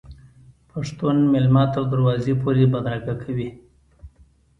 پښتون میلمه تر دروازې پورې بدرګه کوي.